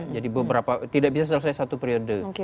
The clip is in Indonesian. jadi beberapa tidak bisa selesai satu periode